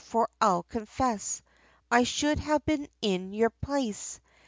for I'll confess, I should have been in your place.